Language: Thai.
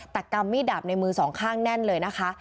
แต่กำมีดดาบในมือสองข้างแน่นเลยนะคะ